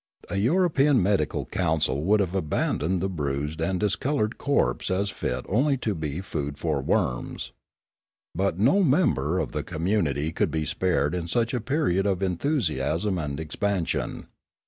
A European medical council would have abandoned the bruised and discoloured corpse as fit only to be " food for worms." But no member of the community could be spared in such a period of enthusiasm and expan sion.